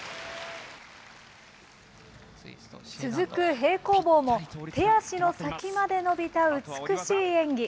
続く平行棒も、手足の先まで伸びた美しい演技。